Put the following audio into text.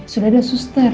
sudah ada suster